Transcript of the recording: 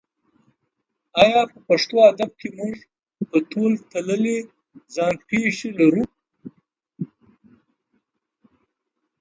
ایا په پښتو ادب کې موږ په تول تللې ځان پېښې لرو؟